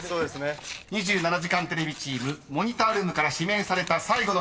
［２７時間テレビチームモニタールームから指名された最後の１人は］